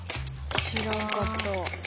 知らなかった。